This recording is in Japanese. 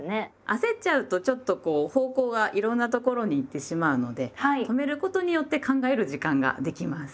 焦っちゃうとちょっと方向がいろんなところに行ってしまうので止めることによって考える時間ができます。